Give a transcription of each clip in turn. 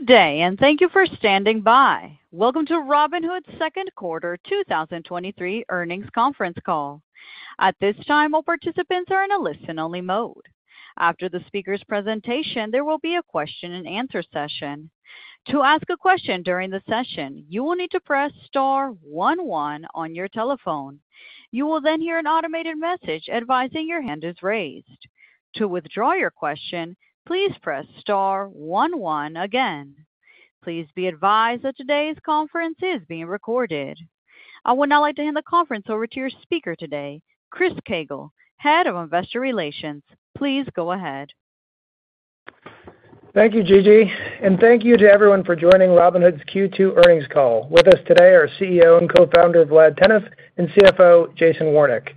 Good day, and thank you for standing by. Welcome to Robinhood's second quarter, 2023 earnings conference call. At this time, all participants are in a listen-only mode. After the speaker's presentation, there will be a question-and-answer session. To ask a question during the session, you will need to press star one one on your telephone. You will then hear an automated message advising your hand is raised. To withdraw your question, please press star one one again. Please be advised that today's conference is being recorded. I would now like to hand the conference over to your speaker today, Chris Koegel, Head of Investor Relations. Please go ahead. Thank you, Gigi, and thank you to everyone for joining Robinhood's Q2 earnings call. With us today are CEO and Co-founder, Vlad Tenev, and CFO, Jason Warnick.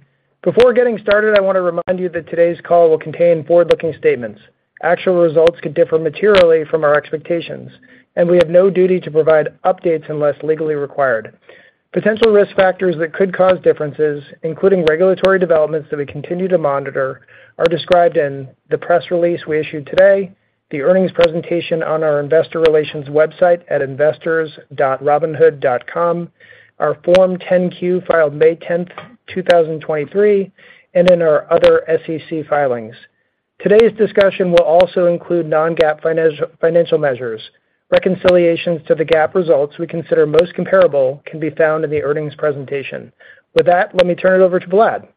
Before getting started, I want to remind you that today's call will contain forward-looking statements. Actual results could differ materially from our expectations, and we have no duty to provide updates unless legally required. Potential risk factors that could cause differences, including regulatory developments that we continue to monitor, are described in the press release we issued today, the earnings presentation on our investor relations website at investors.robinhood.com, our Form 10-Q, filed May 10th, 2023, and in our other SEC filings. Today's discussion will also include non-GAAP financial measures. Reconciliations to the GAAP results we consider most comparable can be found in the earnings presentation. With that, let me turn it over to Vlad.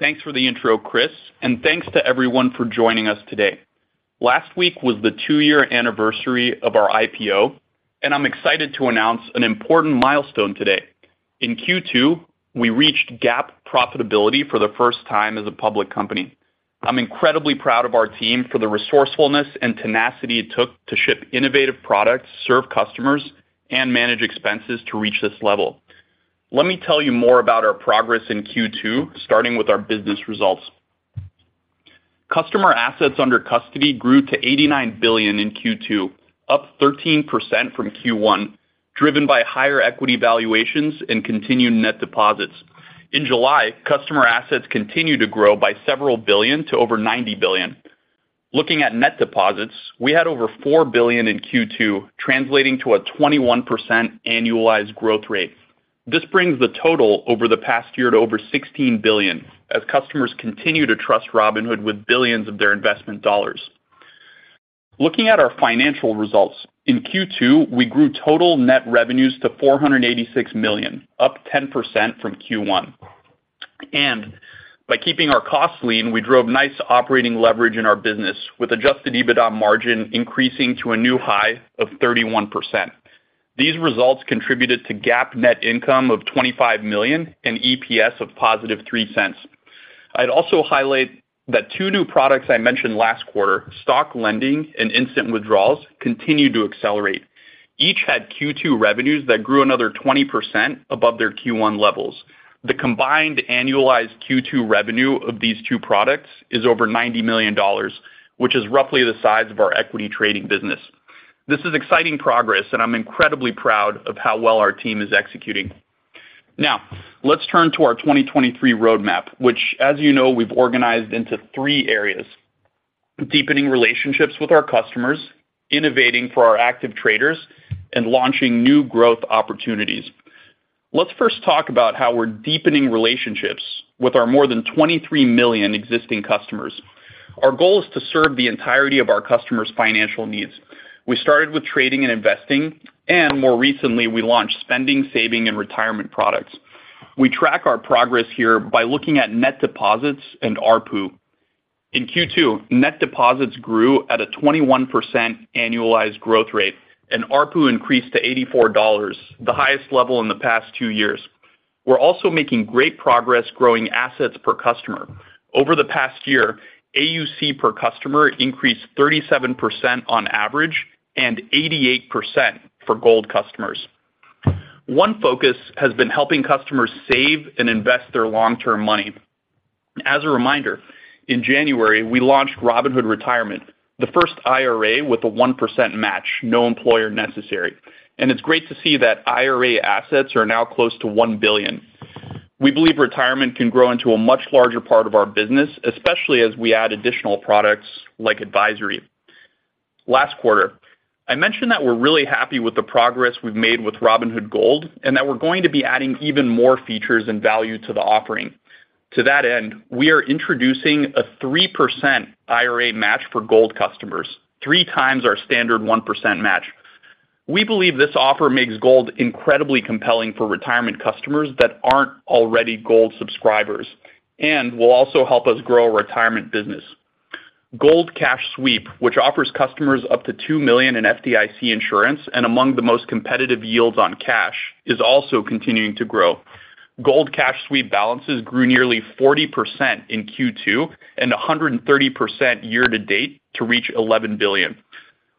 Thanks for the intro, Chris, and thanks to everyone for joining us today. Last week was the two-year anniversary of our IPO, and I'm excited to announce an important milestone today. In Q2, we reached GAAP profitability for the first time as a public company. I'm incredibly proud of our team for the resourcefulness and tenacity it took to ship innovative products, serve customers, and manage expenses to reach this level. Let me tell you more about our progress in Q2, starting with our business results. Customer assets under custody grew to $89 billion in Q2, up 13% from Q1, driven by higher equity valuations and continued net deposits. In July, customer assets continued to grow by several billion to over $90 billion. Looking at net deposits, we had over $4 billion in Q2, translating to a 21% annualized growth rate. This brings the total over the past year to over $16 billion, as customers continue to trust Robinhood with billions of their investment dollars. Looking at our financial results, in Q2, we grew total net revenues to $486 million, up 10% from Q1. By keeping our costs lean, we drove nice operating leverage in our business, with adjusted EBITDA margin increasing to a new high of 31%. These results contributed to GAAP net income of $25 million and EPS of +$0.03. I'd also highlight that two new products I mentioned last quarter, stock lending and instant withdrawals, continued to accelerate. Each had Q2 revenues that grew another 20% above their Q1 levels. The combined annualized Q2 revenue of these two products is over $90 million, which is roughly the size of our equity trading business. This is exciting progress, and I'm incredibly proud of how well our team is executing. Now, let's turn to our 2023 roadmap, which, as you know, we've organized into three areas, deepening relationships with our customers, innovating for our active traders, and launching new growth opportunities. Let's first talk about how we're deepening relationships with our more than 23 million existing customers. Our goal is to serve the entirety of our customers' financial needs. We started with trading and investing, and more recently, we launched spending, saving, and retirement products. We track our progress here by looking at net deposits and ARPU. In Q2, net deposits grew at a 21% annualized growth rate, and ARPU increased to $84, the highest level in the past two years. We're also making great progress growing assets per customer. Over the past year, AUC per customer increased 37% on average and 88% for Gold customers. One focus has been helping customers save and invest their long-term money. As a reminder, in January, we launched Robinhood Retirement, the first IRA with a 1% match, no employer necessary. It's great to see that IRA assets are now close to $1 billion. We believe retirement can grow into a much larger part of our business, especially as we add additional products like advisory. Last quarter, I mentioned that we're really happy with the progress we've made with Robinhood Gold and that we're going to be adding even more features and value to the offering. To that end, we are introducing a 3% IRA match for Gold customers, three times our standard 1% match. We believe this offer makes Gold incredibly compelling for retirement customers that aren't already Gold subscribers and will also help us grow our retirement business. Gold Cash Sweep, which offers customers up to $2 million in FDIC insurance and among the most competitive yields on cash, is also continuing to grow. Gold Cash Sweep balances grew nearly 40% in Q2 and 130% year-to-date to reach $11 billion.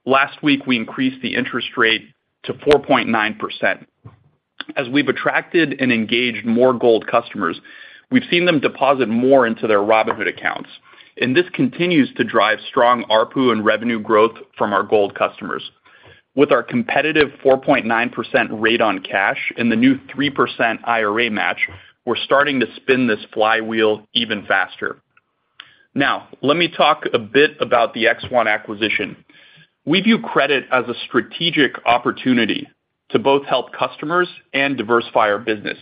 Last week, we increased the interest rate to 4.9%. As we've attracted and engaged more Gold customers, we've seen them deposit more into their Robinhood accounts, and this continues to drive strong ARPU and revenue growth from our Gold customers. With our competitive 4.9% rate on cash and the new 3% IRA match, we're starting to spin this flywheel even faster.... Now, let me talk a bit about the X1 acquisition. We view credit as a strategic opportunity to both help customers and diversify our business.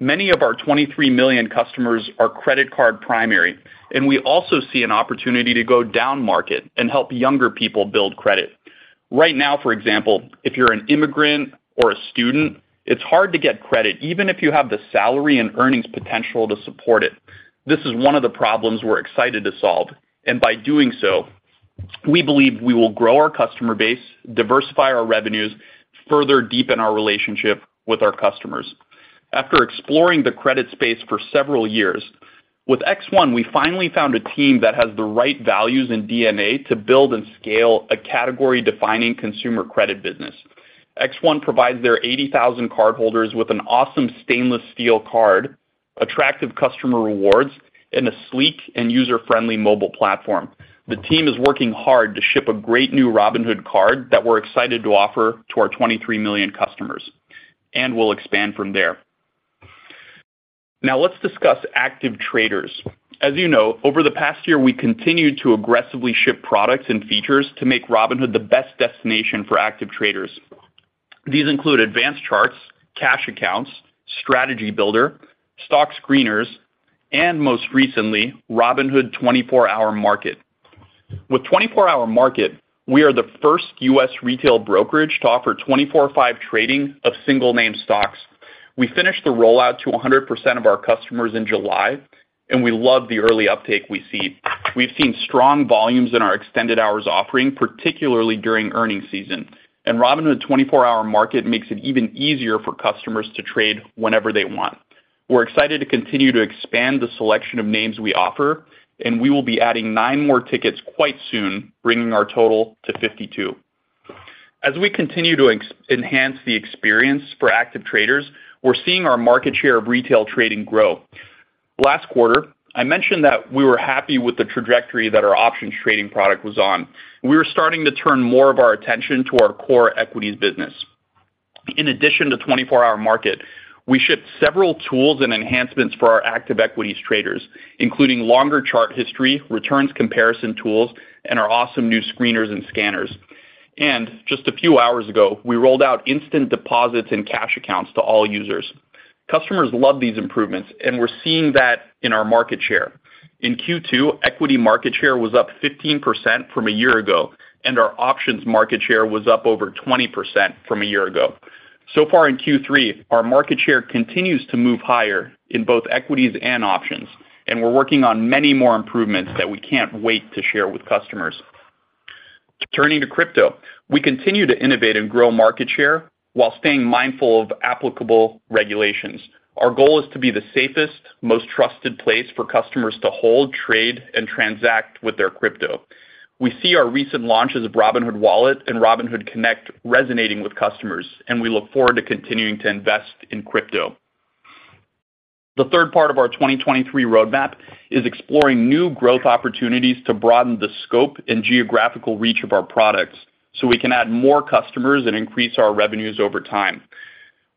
Many of our 23 million customers are credit card primary, and we also see an opportunity to go down market and help younger people build credit. Right now, for example, if you're an immigrant or a student, it's hard to get credit, even if you have the salary and earnings potential to support it. This is one of the problems we're excited to solve, and by doing so, we believe we will grow our customer base, diversify our revenues, further deepen our relationship with our customers. After exploring the credit space for several years, with X1, we finally found a team that has the right values and DNA to build and scale a category-defining consumer credit business. X1 provides their 80,000 cardholders with an awesome stainless steel card, attractive customer rewards, and a sleek and user-friendly mobile platform. The team is working hard to ship a great new Robinhood card that we're excited to offer to our 23 million customers, and we'll expand from there. Now let's discuss active traders. As you know, over the past year, we continued to aggressively ship products and features to make Robinhood the best destination for active traders. These include advanced charts, cash accounts, strategy builder, stock screeners, and most recently, Robinhood 24 Hour Market. With 24 Hour Market, we are the first U.S. retail brokerage to offer 24/5 trading of single-name stocks. We finished the rollout to 100% of our customers in July, and we love the early uptake we see. We've seen strong volumes in our extended hours offering, particularly during earnings season, and Robinhood 24 Hour Market makes it even easier for customers to trade whenever they want. We're excited to continue to expand the selection of names we offer, and we will be adding nine more tickets quite soon, bringing our total to 52. As we continue to enhance the experience for active traders, we're seeing our market share of retail trading grow. Last quarter, I mentioned that we were happy with the trajectory that our options trading product was on. We were starting to turn more of our attention to our core equities business. In addition to 24 Hour Market, we shipped several tools and enhancements for our active equities traders, including longer chart history, returns comparison tools, and our awesome new screeners and scanners. Just a few hours ago, we rolled out instant deposits and cash accounts to all users. Customers love these improvements, and we're seeing that in our market share. In Q2, equity market share was up 15% from a year ago, and our options market share was up over 20% from a year ago. Far in Q3, our market share continues to move higher in both equities and options, and we're working on many more improvements that we can't wait to share with customers. Turning to crypto, we continue to innovate and grow market share while staying mindful of applicable regulations. Our goal is to be the safest, most trusted place for customers to hold, trade, and transact with their crypto. We see our recent launches of Robinhood Wallet and Robinhood Connect resonating with customers, and we look forward to continuing to invest in crypto. The third part of our 2023 roadmap is exploring new growth opportunities to broaden the scope and geographical reach of our products, so we can add more customers and increase our revenues over time.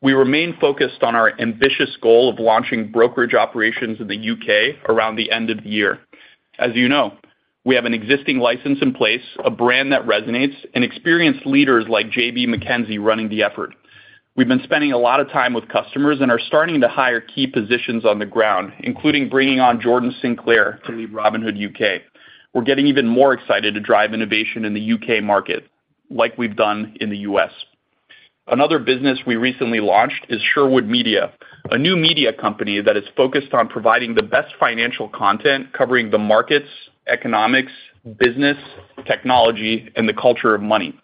We remain focused on our ambitious goal of launching brokerage operations in the U.K. around the end of the year. As you know, we have an existing license in place, a brand that resonates, and experienced leaders like JB Mackenzie running the effort. We've been spending a lot of time with customers and are starting to hire key positions on the ground, including bringing on Jordan Sinclair to lead Robinhood U.K. We're getting even more excited to drive innovation in the U.K. market like we've done in the U.S. Another business we recently launched is Sherwood Media, a new media company that is focused on providing the best financial content, covering the markets, economics, business, technology, and the culture of money.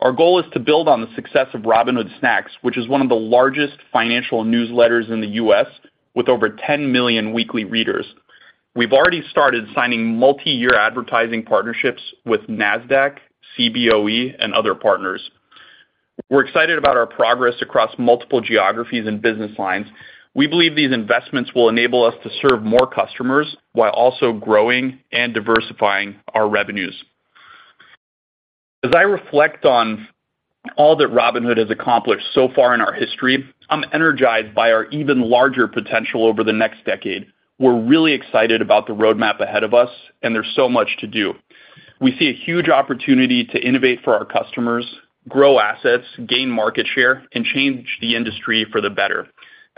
Our goal is to build on the success of Robinhood Snacks, which is one of the largest financial newsletters in the US, with over 10 million weekly readers. We've already started signing multi-year advertising partnerships with NASDAQ, Cboe, and other partners. We're excited about our progress across multiple geographies and business lines. We believe these investments will enable us to serve more customers while also growing and diversifying our revenues. As I reflect on all that Robinhood has accomplished so far in our history, I'm energized by our even larger potential over the next decade. We're really excited about the roadmap ahead of us, and there's so much to do. We see a huge opportunity to innovate for our customers, grow assets, gain market share, and change the industry for the better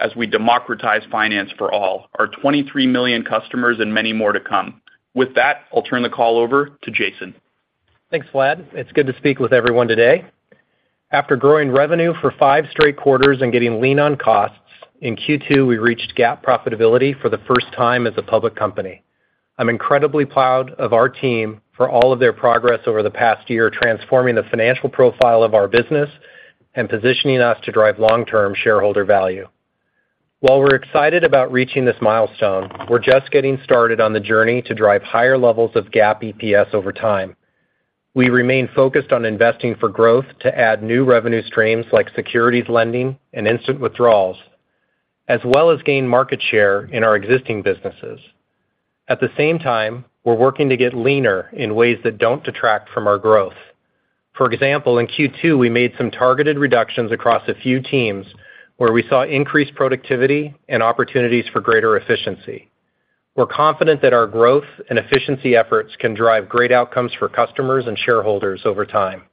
as we democratize finance for all, our 23 million customers and many more to come. With that, I'll turn the call over to Jason. Thanks, Vlad. It's good to speak with everyone today. After growing revenue for five straight quarters and getting lean on costs, in Q2, we reached GAAP profitability for the first time as a public company. I'm incredibly proud of our team for all of their progress over the past year, transforming the financial profile of our business and positioning us to drive long-term shareholder value. While we're excited about reaching this milestone, we're just getting started on the journey to drive higher levels of GAAP EPS over time. We remain focused on investing for growth to add new revenue streams like securities lending and instant withdrawals, as well as gain market share in our existing businesses. At the same time, we're working to get leaner in ways that don't detract from our growth. For example, in Q2, we made some targeted reductions across a few teams where we saw increased productivity and opportunities for greater efficiency. We're confident that our growth and efficiency efforts can drive great outcomes for customers and shareholders over time.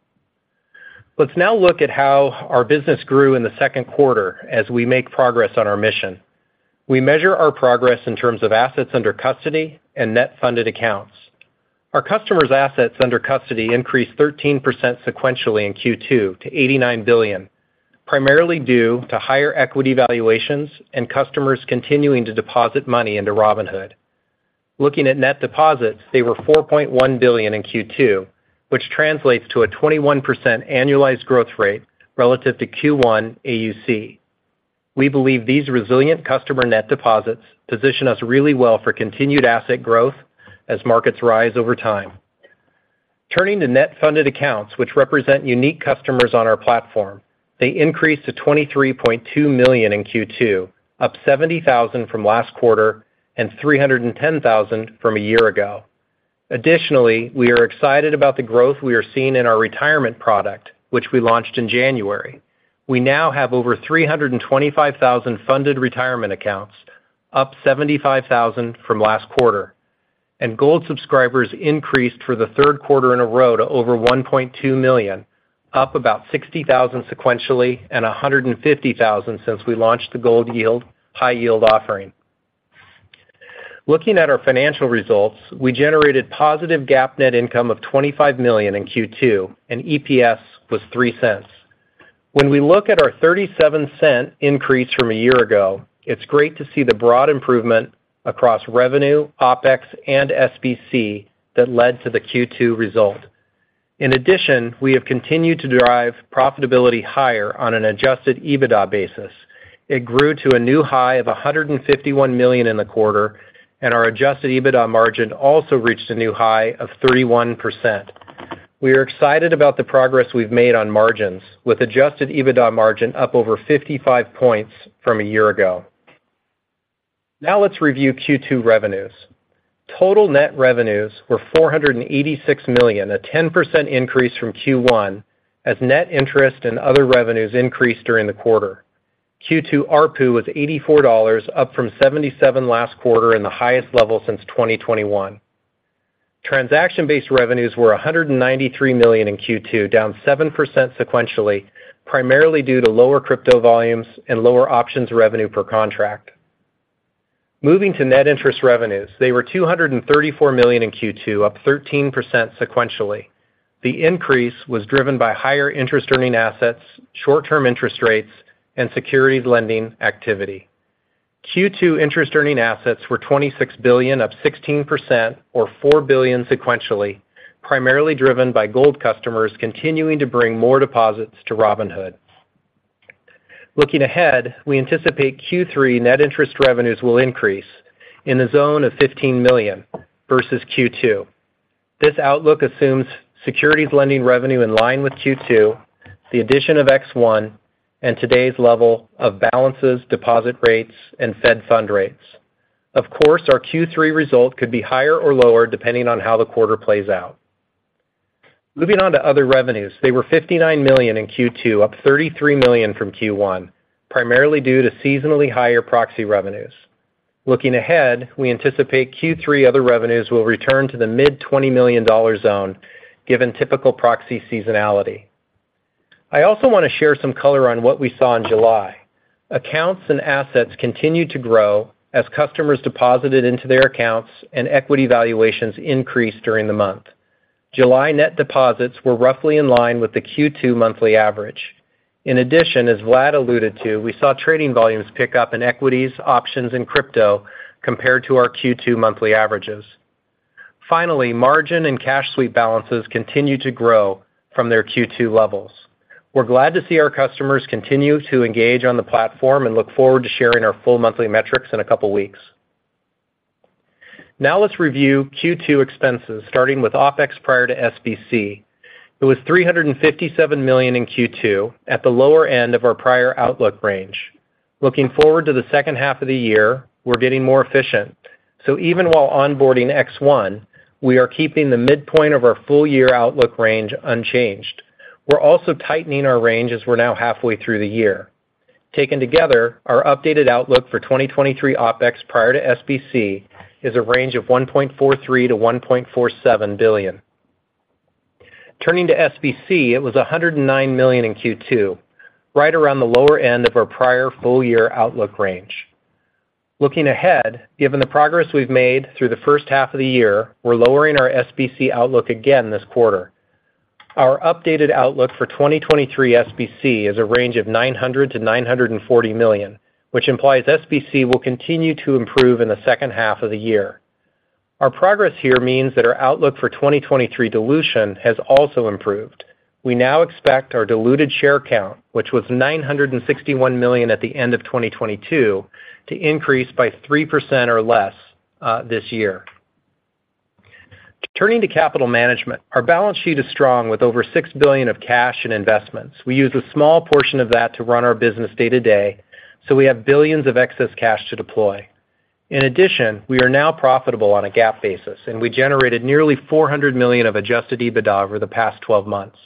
Let's now look at how our business grew in the second quarter as we make progress on our mission. We measure our progress in terms of assets under custody and net funded accounts. Our customers' assets under custody increased 13% sequentially in Q2 to $89 billion, primarily due to higher equity valuations and customers continuing to deposit money into Robinhood. Looking at net deposits, they were $4.1 billion in Q2, which translates to a 21% annualized growth rate relative to Q1 AUC. We believe these resilient customer net deposits position us really well for continued asset growth as markets rise over time. Turning to net funded accounts, which represent unique customers on our platform, they increased to $23.2 million in Q2, up $70,000 from last quarter and $310,000 from a year ago. Additionally, we are excited about the growth we are seeing in our Retirement product, which we launched in January. We now have over 325,000 funded Retirement accounts, up 75,000 from last quarter. Gold subscribers increased for the third quarter in a row to over $1.2 million, up about 60,000 sequentially and 150,000 since we launched the Gold Yield high-yield offering. Looking at our financial results, we generated positive GAAP net income of $25 million in Q2, and EPS was $0.03. When we look at our $0.37 increase from a year ago, it's great to see the broad improvement across revenue, OpEx, and SBC that led to the Q2 result. In addition, we have continued to drive profitability higher on an adjusted EBITDA basis. It grew to a new high of $151 million in the quarter, and our adjusted EBITDA margin also reached a new high of 31%. We are excited about the progress we've made on margins, with adjusted EBITDA margin up over 55 points from a year ago. Now let's review Q2 revenues. Total net revenues were $486 million, a 10% increase from Q1, as net interest and other revenues increased during the quarter. Q2 ARPU was $84, up from $77 last quarter and the highest level since 2021. Transaction-based revenues were $193 million in Q2, down 7% sequentially, primarily due to lower crypto volumes and lower options revenue per contract. Moving to net interest revenues, they were $234 million in Q2, up 13% sequentially. The increase was driven by higher interest earning assets, short-term interest rates, and securities lending activity. Q2 interest earning assets were $26 billion, up 16% or $4 billion sequentially, primarily driven by Gold customers continuing to bring more deposits to Robinhood. Looking ahead, we anticipate Q3 net interest revenues will increase in the zone of $15 million versus Q2. This outlook assumes securities lending revenue in line with Q2, the addition of X1, and today's level of balances, deposit rates, and fed fund rates. Of course, our Q3 result could be higher or lower, depending on how the quarter plays out. Moving on to other revenues, they were $59 million in Q2, up $33 million from Q1, primarily due to seasonally higher proxy revenues. Looking ahead, we anticipate Q3 other revenues will return to the mid $20 million zone, given typical proxy seasonality. I also want to share some color on what we saw in July. Accounts and assets continued to grow as customers deposited into their accounts and equity valuations increased during the month. July net deposits were roughly in line with the Q2 monthly average. In addition, as Vlad alluded to, we saw trading volumes pick up in equities, options, and crypto compared to our Q2 monthly averages. Finally, margin and cash sweep balances continued to grow from their Q2 levels. We're glad to see our customers continue to engage on the platform and look forward to sharing our full monthly metrics in a couple of weeks. Now let's review Q2 expenses, starting with OpEx prior to SBC. It was $357 million in Q2, at the lower end of our prior outlook range. Looking forward to the second half of the year, we're getting more efficient. Even while onboarding X1, we are keeping the midpoint of our full-year outlook range unchanged. We're also tightening our range as we're now halfway through the year. Taken together, our updated outlook for 2023 OpEx prior to SBC is a range of $1.43 billion-$1.47 billion. Turning to SBC, it was $109 million in Q2, right around the lower end of our prior full-year outlook range. Looking ahead, given the progress we've made through the first half of the year, we're lowering our SBC outlook again this quarter. Our updated outlook for 2023 SBC is a range of $900 million-$940 million, which implies SBC will continue to improve in the second half of the year. Our progress here means that our outlook for 2023 dilution has also improved. We now expect our diluted share count, which was 961 million at the end of 2022, to increase by 3% or less this year. Turning to capital management, our balance sheet is strong with over $6 billion of cash and investments. We use a small portion of that to run our business day-to-day, we have $ billions of excess cash to deploy. In addition, we are now profitable on a GAAP basis, and we generated nearly $400 million of Adjusted EBITDA over the past 12 months.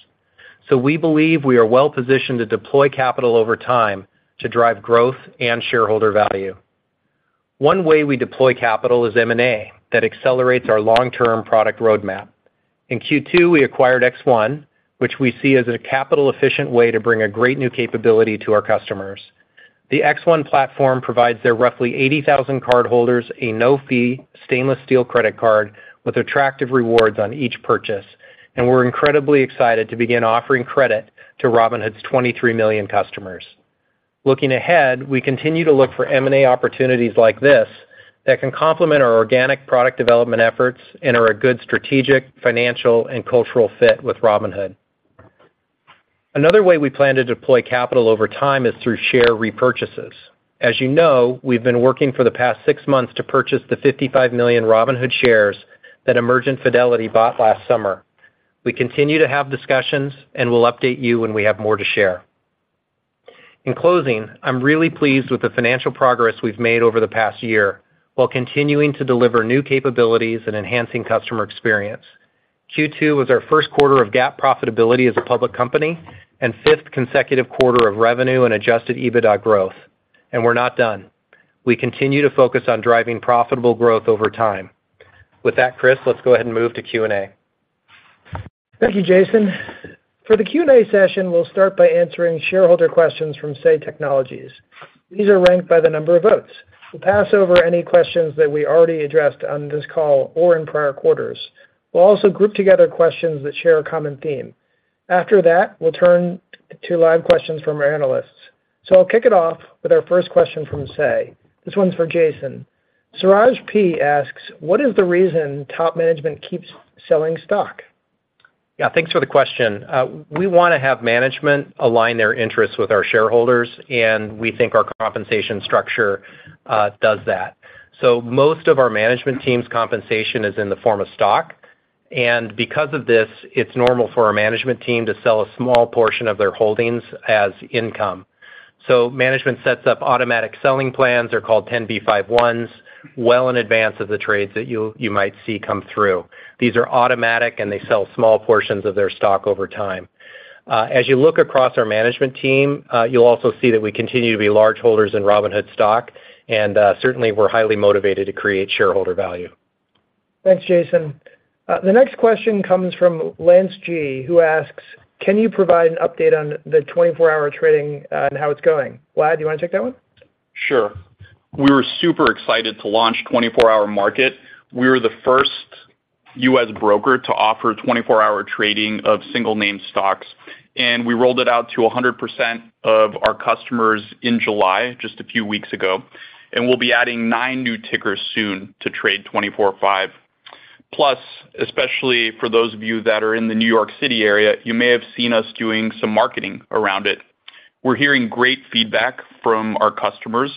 We believe we are well positioned to deploy capital over time to drive growth and shareholder value. One way we deploy capital is M&A that accelerates our long-term product roadmap. In Q2, we acquired X1, which we see as a capital-efficient way to bring a great new capability to our customers. The X1 platform provides their roughly 80,000 cardholders a no-fee stainless steel credit card with attractive rewards on each purchase, and we're incredibly excited to begin offering credit to Robinhood's 23 million customers. Looking ahead, we continue to look for M&A opportunities like this that can complement our organic product development efforts and are a good strategic, financial, and cultural fit with Robinhood. Another way we plan to deploy capital over time is through share repurchases. As you know, we've been working for the past six months to purchase the 55 million Robinhood shares that Emergent Fidelity bought last summer. We continue to have discussions. We'll update you when we have more to share. In closing, I'm really pleased with the financial progress we've made over the past year, while continuing to deliver new capabilities and enhancing customer experience. Q2 was our 1st quarter of GAAP profitability as a public company and fifth consecutive quarter of revenue and Adjusted EBITDA growth. We're not done. We continue to focus on driving profitable growth over time. With that, Chris, let's go ahead and move to Q&A. Thank you, Jason. For the Q&A session, we'll start by answering shareholder questions from Say Technologies. These are ranked by the number of votes. We'll pass over any questions that we already addressed on this call or in prior quarters. We'll also group together questions that share a common theme. After that, we'll turn to live questions from our analysts. I'll kick it off with our first question from Say. This one's for Jason. Suroj P. asks: What is the reason top management keeps selling stock? Yeah, thanks for the question. We wanna have management align their interests with our shareholders, and we think our compensation structure does that. Most of our management team's compensation is in the form of stock, and because of this, it's normal for our management team to sell a small portion of their holdings as income. Management sets up automatic selling plans, they're called 10b5-1s, well in advance of the trades that you might see come through. These are automatic, and they sell small portions of their stock over time. As you look across our management team, you'll also see that we continue to be large holders in Robinhood stock, and certainly we're highly motivated to create shareholder value. Thanks, Jason. The next question comes from Lance G., who asks: Can you provide an update on the 24-hour trading, and how it's going? Vlad, do you wanna take that one? Sure. We were super excited to launch 24 Hour Market. We were the first U.S. broker to offer 24-hour trading of single name stocks, and we rolled it out to 100% of our customers in July, just a few weeks ago, and we'll be adding nine new tickers soon to trade 24/5. Plus, especially for those of you that are in the New York City area, you may have seen us doing some marketing around it. We're hearing great feedback from our customers,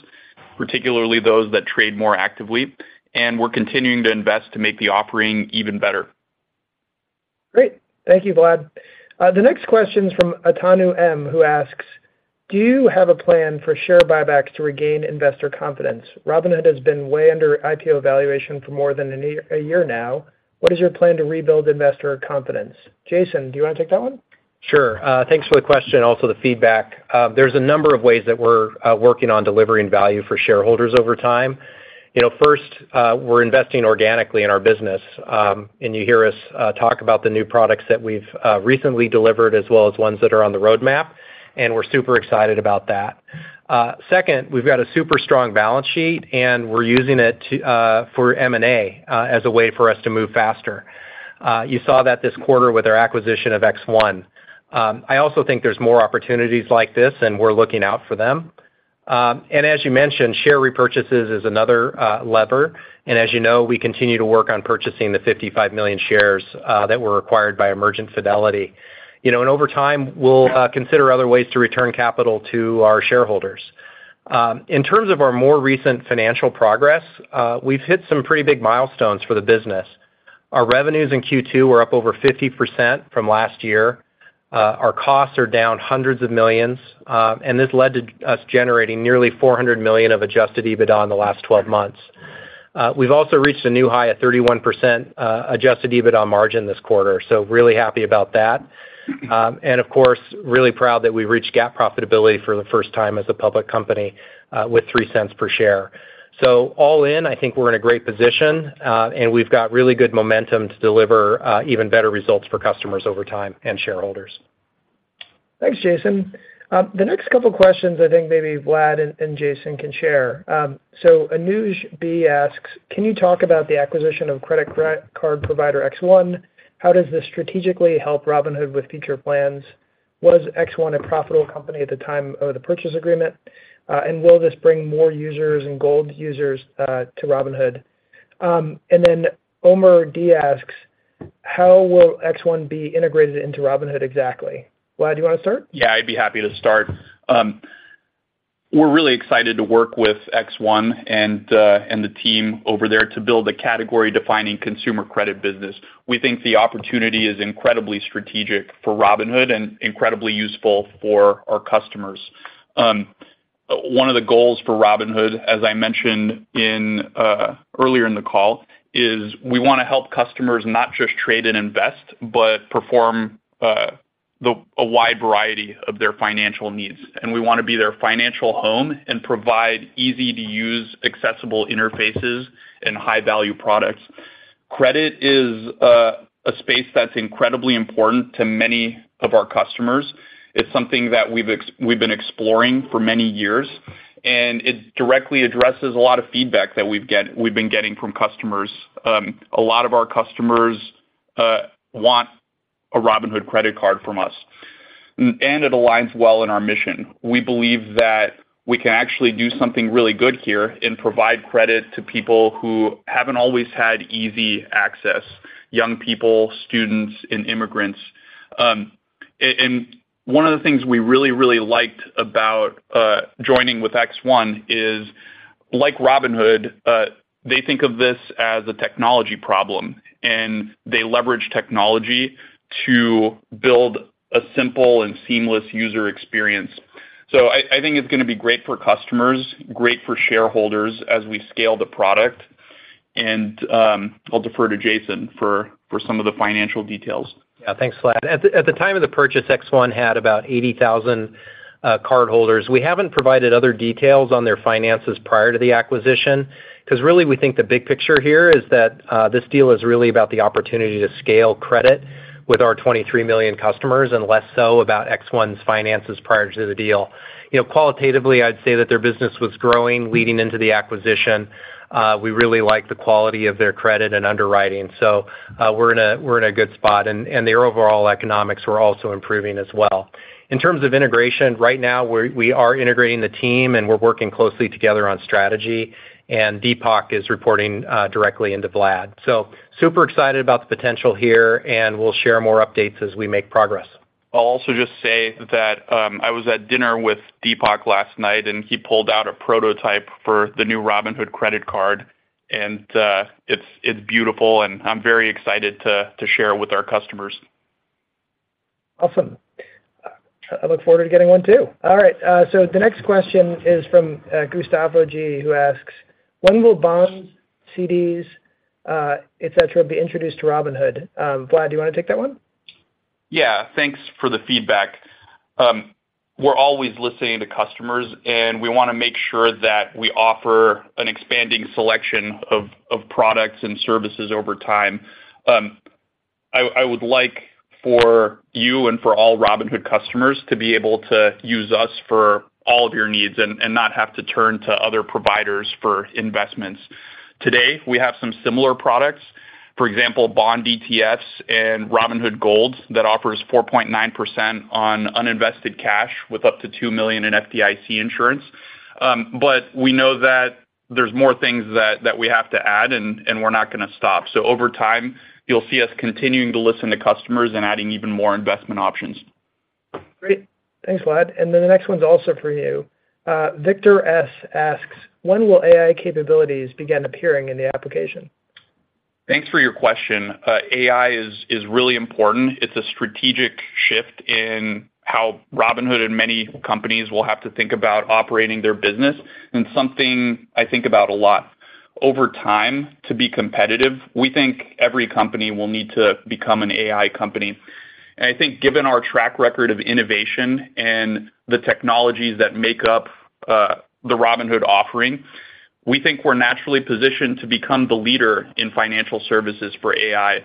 particularly those that trade more actively, and we're continuing to invest to make the offering even better. Great. Thank you, Vlad. The next question is from Atanu M. who asks: Do you have a plan for share buybacks to regain investor confidence? Robinhood has been way under IPO valuation for more than a year now. What is your plan to rebuild investor confidence? Jason, do you wanna take that one? Sure. Thanks for the question, also the feedback. There's a number of ways that we're working on delivering value for shareholders over time. You know, first, we're investing organically in our business, and you hear us talk about the new products that we've recently delivered, as well as ones that are on the roadmap, and we're super excited about that. Second, we've got a super strong balance sheet, and we're using it to for M&A as a way for us to move faster. You saw that this quarter with our acquisition of X1. I also think there's more opportunities like this, and we're looking out for them. As you mentioned, share repurchases is another lever, and as you know, we continue to work on purchasing the 55 million shares that were acquired by Emergent Fidelity. You know, over time, we'll consider other ways to return capital to our shareholders. In terms of our more recent financial progress, we've hit some pretty big milestones for the business. Our revenues in Q2 were up over 50% from last year. Our costs are down hundreds of millions, and this led to us generating nearly $400 million of Adjusted EBITDA in the last 12 months. We've also reached a new high at 31% Adjusted EBITDA margin this quarter, so really happy about that. Of course, really proud that we reached GAAP profitability for the first time as a public company, with $0.03 per share. All in, I think we're in a great position, and we've got really good momentum to deliver even better results for customers over time and shareholders. Thanks, Jason. The next couple questions I think maybe Vlad and Jason can share. So Anuj B. asks: Can you talk about the acquisition of credit card provider X1? How does this strategically help Robinhood with future plans? Was X1 a profitable company at the time of the purchase agreement? And will this bring more users and Gold users to Robinhood? And then Omer D. asks: How will X1 be integrated into Robinhood exactly? Vlad, do you wanna start? Yeah, I'd be happy to start. We're really excited to work with X1 and the team over there to build a category-defining consumer credit business. We think the opportunity is incredibly strategic for Robinhood and incredibly useful for our customers. One of the goals for Robinhood, as I mentioned in earlier in the call, is we wanna help customers not just trade and invest, but perform the, a wide variety of their financial needs. We wanna be their financial home and provide easy-to-use, accessible interfaces and high-value products. Credit is a space that's incredibly important to many of our customers. It's something that we've been exploring for many years, and it directly addresses a lot of feedback that we've been getting from customers. A lot of our customers want a Robinhood credit card from us. It aligns well in our mission. We believe that we can actually do something really good here and provide credit to people who haven't always had easy access, young people, students, and immigrants. One of the things we really, really liked about joining with X1 is, like Robinhood, they think of this as a technology problem, and they leverage technology to build a simple and seamless user experience. I think it's gonna be great for customers, great for shareholders as we scale the product, and I'll defer to Jason for, for some of the financial details. Yeah, thanks, Vlad. At the time of the purchase, X1 had about 80,000 cardholders. We haven't provided other details on their finances prior to the acquisition, 'cause really we think the big picture here is that this deal is really about the opportunity to scale credit with our 23 million customers, and less so about X1's finances prior to the deal. You know, qualitatively, I'd say that their business was growing, leading into the acquisition. We really liked the quality of their credit and underwriting, so we're in a good spot, and their overall economics were also improving as well. In terms of integration, right now, we are integrating the team, and we're working closely together on strategy, and Deepak is reporting directly into Vlad. Super excited about the potential here, and we'll share more updates as we make progress. I'll also just say that, I was at dinner with Deepak last night, and he pulled out a prototype for the new Robinhood credit card, and, it's, it's beautiful, and I'm very excited to, to share it with our customers. Awesome. I look forward to getting one, too. All right, the next question is from Gustavo G, who asks: When will bonds, CDs, et cetera, be introduced to Robinhood? Vlad, do you wanna take that one? Yeah. Thanks for the feedback. We're always listening to customers, and we wanna make sure that we offer an expanding selection of, of products and services over time. I, I would like for you and for all Robinhood customers to be able to use us for all of your needs and, and not have to turn to other providers for investments. Today, we have some similar products. For example, bond ETFs and Robinhood Gold that offers 4.9% on uninvested cash with up to $2 million in FDIC insurance. We know that there's more things that, that we have to add, and, and we're not gonna stop. Over time, you'll see us continuing to listen to customers and adding even more investment options. Great. Thanks, Vlad, then the next one's also for you. Victor S. asks: When will AI capabilities begin appearing in the application? Thanks for your question. AI is, is really important. It's a strategic shift in how Robinhood and many companies will have to think about operating their business and something I think about a lot. Over time, to be competitive, we think every company will need to become an AI company. I think given our track record of innovation and the technologies that make up, the Robinhood offering, we think we're naturally positioned to become the leader in financial services for AI.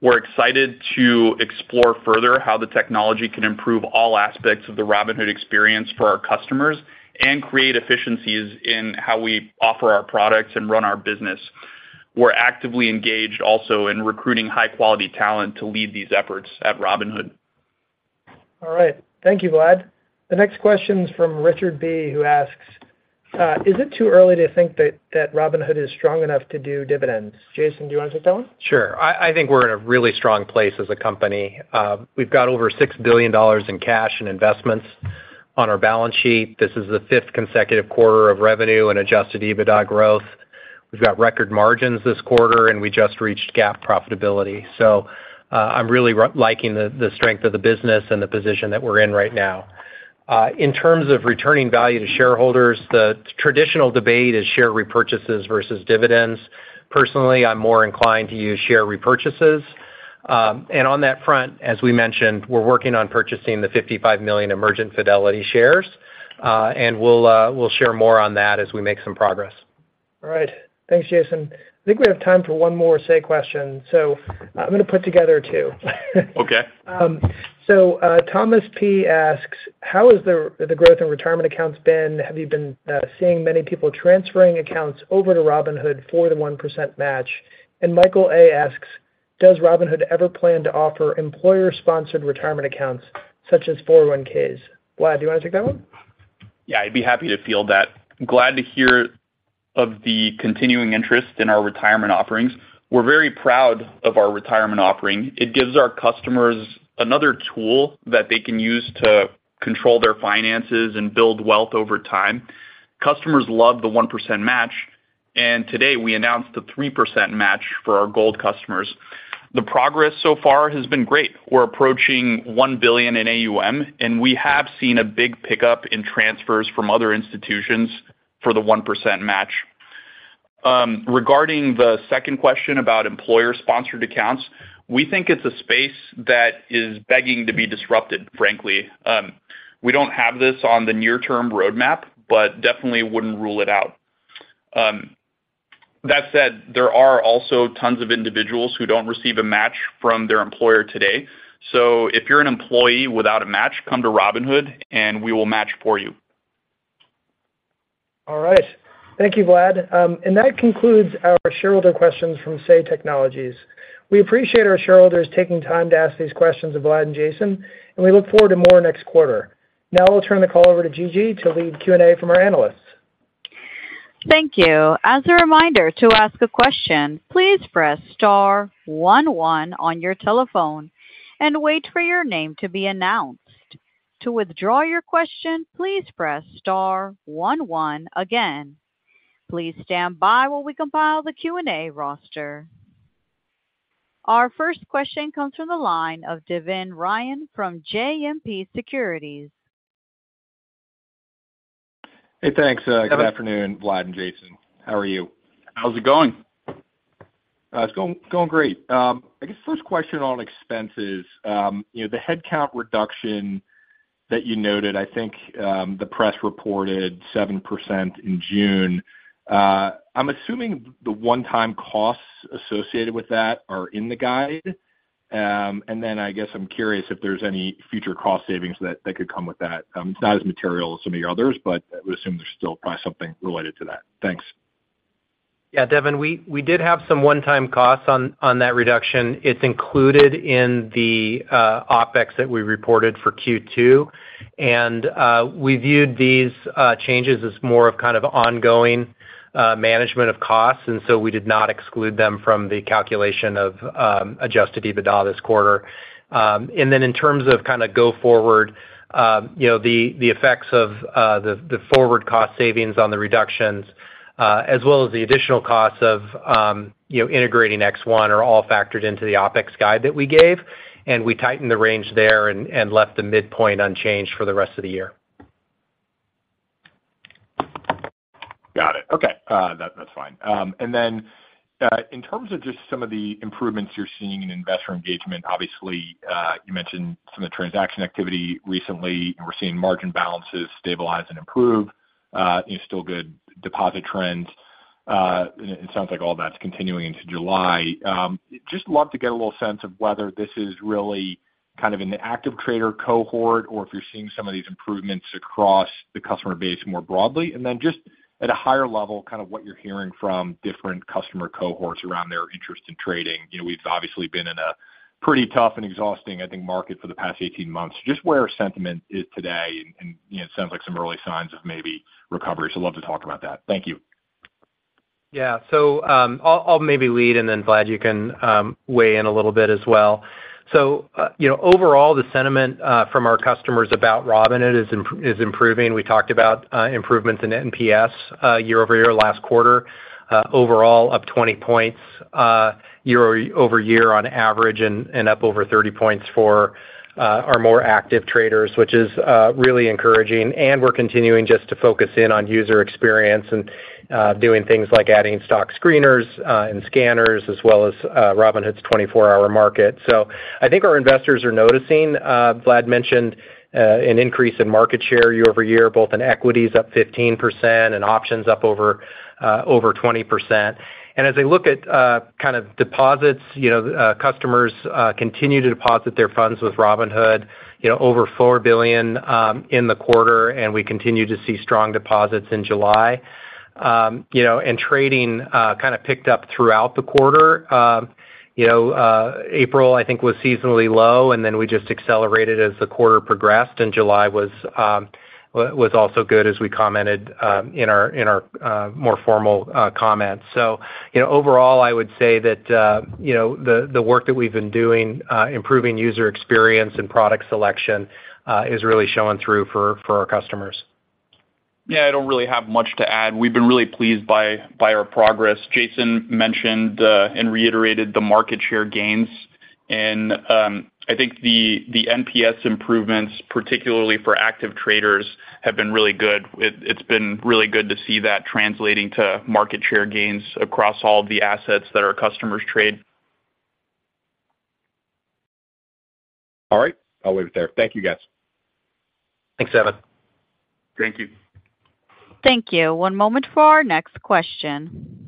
We're excited to explore further how the technology can improve all aspects of the Robinhood experience for our customers and create efficiencies in how we offer our products and run our business. We're actively engaged also in recruiting high-quality talent to lead these efforts at Robinhood. All right. Thank you, Vlad. The next question is from Richard B, who asks: Is it too early to think that, that Robinhood is strong enough to do dividends? Jason, do you wanna take that one? Sure. I, I think we're in a really strong place as a company. We've got over $6 billion in cash and investments on our balance sheet. This is the fifth consecutive quarter of revenue and Adjusted EBITDA growth. We've got record margins this quarter, and we just reached GAAP profitability, so, I'm really liking the, the strength of the business and the position that we're in right now. In terms of returning value to shareholders, the traditional debate is share repurchases versus dividends. Personally, I'm more inclined to use share repurchases. On that front, as we mentioned, we're working on purchasing the 55 million Emergent Fidelity shares, and we'll share more on that as we make some progress. All right. Thanks, Jason. I think we have time for one more Say question, so I'm gonna put together two. Okay. Thomas P. asks: How has the, the growth in retirement accounts been? Have you been seeing many people transferring accounts over to Robinhood for the 1% match? Michael A. asks: Does Robinhood ever plan to offer employer-sponsored retirement accounts such as 401(k)s? Vlad, do you wanna take that one? Yeah, I'd be happy to field that. Glad to hear of the continuing interest in our retirement offerings. We're very proud of our retirement offering. It gives our customers another tool that they can use to control their finances and build wealth over time. Customers love the 1% match. Today we announced a 3% match for our Gold customers. The progress so far has been great. We're approaching $1 billion in AUM. We have seen a big pickup in transfers from other institutions for the 1% match. Regarding the second question about employer-sponsored accounts, we think it's a space that is begging to be disrupted, frankly. We don't have this on the near-term roadmap. Definitely wouldn't rule it out. That said, there are also tons of individuals who don't receive a match from their employer today. If you're an employee without a match, come to Robinhood, and we will match for you. All right. Thank you, Vlad. That concludes our shareholder questions from Say Technologies. We appreciate our shareholders taking time to ask these questions of Vlad and Jason, and we look forward to more next quarter. I'll turn the call over to Gigi to lead Q&A from our analysts. Thank you. As a reminder, to ask a question, please press star one, one on your telephone and wait for your name to be announced. To withdraw your question, please press star one, one again. Please stand by while we compile the Q&A roster. Our first question comes from the line of Devin Ryan from JMP Securities. Hey, thanks. Good afternoon, Vlad and Jason. How are you? How's it going? It's going, going great. I guess first question on expenses. You know, the headcount reduction that you noted, I think, the press reported 7% in June. I'm assuming the one-time costs associated with that are in the guide. I guess I'm curious if there's any future cost savings that, that could come with that. It's not as material as some of your others, but I would assume there's still probably something related to that. Thanks. Yeah, Devin, we, we did have some one-time costs on, on that reduction. It's included in the OpEx that we reported for Q2. We viewed these changes as more of kind of ongoing management of costs, and so we did not exclude them from the calculation of Adjusted EBITDA this quarter. In terms of kind of go forward, you know, the, the effects of the, the forward cost savings on the reductions, as well as the additional costs of, you know, integrating X1 are all factored into the OpEx guide that we gave, and we tightened the range there and, and left the midpoint unchanged for the rest of the year. Got it. Okay, that, that's fine. In terms of just some of the improvements you're seeing in investor engagement, obviously, you mentioned some of the transaction activity recently, and we're seeing margin balances stabilize and improve, and still good deposit trends. It sounds like all that's continuing into July. Just love to get a little sense of whether this is really kind of in the active trader cohort, or if you're seeing some of these improvements across the customer base more broadly. Just at a higher level, kind of what you're hearing from different customer cohorts around their interest in trading. You know, we've obviously been in a pretty tough and exhausting, I think, market for the past 18 months, just where sentiment is today and, and, you know, sounds like some early signs of maybe recovery. love to talk about that. Thank you. Yeah. I'll, I'll maybe lead, and then, Vlad, you can weigh in a little bit as well. You know, overall, the sentiment from our customers about Robinhood is improving. We talked about improvements in NPS year-over-year, last quarter, overall up 20 points year-over-year on average and up over 30 points for our more active traders, which is really encouraging. We're continuing just to focus in on user experience and doing things like adding stock screeners and scanners, as well as Robinhood's 24 Hour Market. I think our investors are noticing, Vlad mentioned an increase in market share year-over-year, both in equities, up 15%, and options up over 20%. As I look at, kind of deposits, you know, customers, continue to deposit their funds with Robinhood, you know, over $4 billion in the quarter. We continue to see strong deposits in July. You know, trading, kind of picked up throughout the quarter. You know, April, I think, was seasonally low. Then we just accelerated as the quarter progressed, and July was also good, as we commented in our, in our, more formal, comments. Overall, I would say that, you know, the, the work that we've been doing, improving user experience and product selection, is really showing through for, for our customers. Yeah, I don't really have much to add. We've been really pleased by, by our progress. Jason mentioned, and reiterated the market share gains, and I think the NPS improvements, particularly for active traders, have been really good. It's been really good to see that translating to market share gains across all the assets that our customers trade. All right, I'll leave it there. Thank you, guys. Thanks, Devin. Thank you. Thank you. One moment for our next question.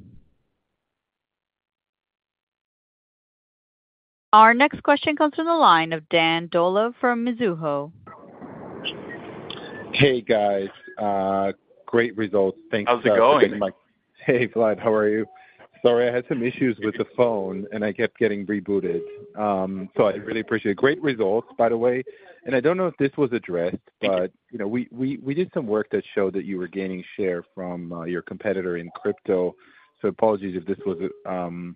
Our next question comes from the line of Dan Dolev from Mizuho. Hey, guys, great results. Thanks- How's it going? Hey, Vlad, how are you? Sorry, I had some issues with the phone. I kept getting rebooted. I really appreciate it. Great results, by the way, I don't know if this was addressed, you know, we, we, we did some work that showed that you were gaining share from your competitor in crypto. Apologies if this was.this was